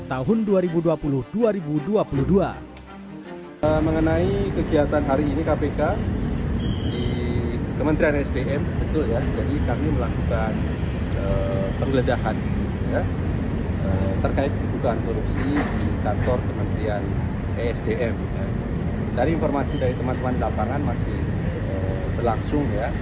dari informasi dari teman teman lapangan masih berlangsung ya